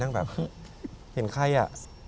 นั่งแบบเห็นไข้อ่ะ